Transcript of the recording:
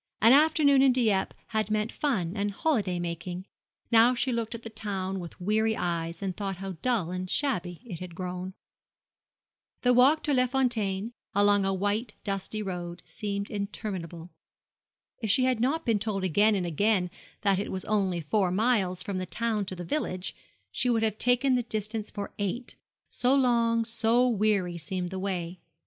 An afternoon in Dieppe had meant fun and holiday making. Now she looked at the town with weary eyes, and thought how dull and shabby it had grown. The walk to Les Fontaines, along a white dusty road, seemed interminable. If she had not been told again and again that it was only four miles from the town to the village, she would have taken the distance for eight so long, so weary, seemed the way.